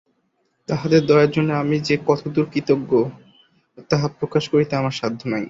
তাঁহাদের দয়ার জন্য আমি যে কতদূর কৃতজ্ঞ, তাহা প্রকাশ করা আমার সাধ্য নয়।